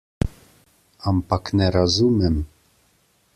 Ampak ne razumem.